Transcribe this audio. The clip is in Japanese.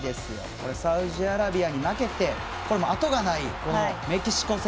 サウジアラビアに負けて後がないメキシコ戦。